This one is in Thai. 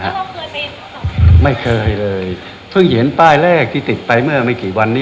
ตั้งแต่ได้ครอบครองมามีสอบกรองหรือเจ้าหน้าที่คนอื่นติดต่อเรื่องการรังวัดไหม